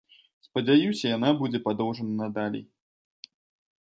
Спадзяюся, яна будзе падоўжана надалей.